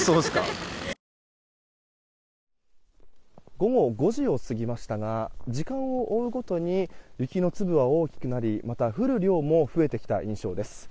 午後５時を過ぎましたが時間を追うごとに雪の粒は大きくなりまた降る量も増えてきた印象です。